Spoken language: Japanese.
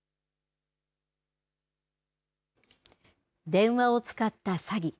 電話を使った詐欺。